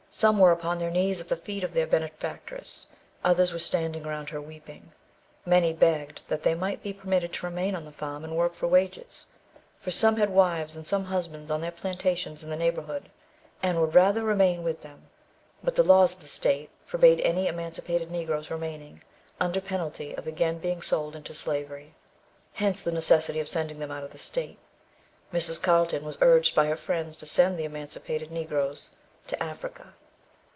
Some were upon their knees at the feet of their benefactress; others were standing round her weeping. Many begged that they might be permitted to remain on the farm and work for wages, for some had wives and some husbands on other plantations in the neighbourhood, and would rather remain with them. But the laws of the state forbade any emancipated Negroes remaining, under penalty of again being sold into slavery. Hence the necessity of sending them out of the state. Mrs. Carlton was urged by her friends to send the emancipated Negroes to Africa.